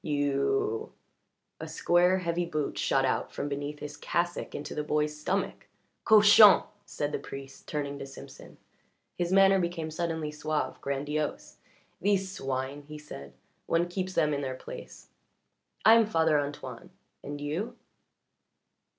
You " A square, heavy boot shot out from beneath his cassock into the boy's stomach. "Cochon!" said the priest, turning to Simpson. His manner became suddenly suave, grandiose. "These swine!" he said. "One keeps them in their place. I am Father Antoine. And you?"